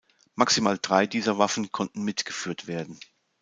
Maximal drei dieser Waffen konnten mitgeführt werden.